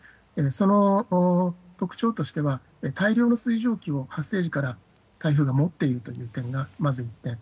その特徴としては、大量の水蒸気を発生時から、台風が持っているという点が、まず１点。